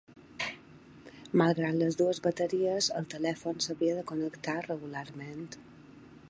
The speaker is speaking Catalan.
Malgrat les dues bateries, el telèfon s'havia de connectar regularment.